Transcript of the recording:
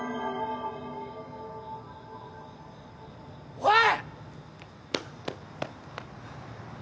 おい！